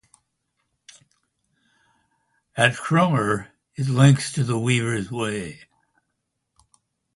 At Cromer it links to the Weavers Way.